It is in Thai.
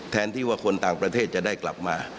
แทนที่ว่าคนต่างประเทศจะได้กลับมา